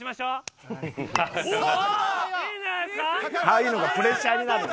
「ああいうのがプレッシャーになる」